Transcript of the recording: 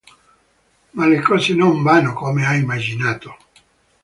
Ma le cose non vanno come ha immaginato.